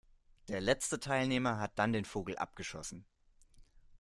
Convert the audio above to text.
Der letzte Teilnehmer hat dann den Vogel abgeschossen.